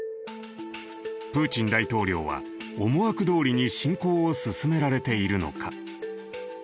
プーチン大統領は思惑通りに侵攻を進められているのか。